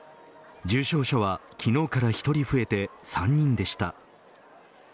重症者は昨日から１人増えて３人でした。